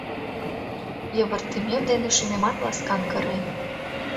Йывыртымем дене шӱмемат ласкан кырен.